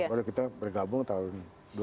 baru kita bergabung tahun dua ribu lima belas